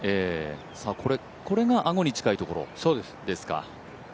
これがアゴに近いところですか。